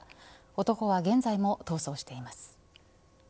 男は現在も逃走しています。